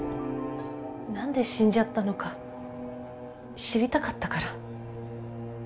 何で死んじゃったのか知りたかったから。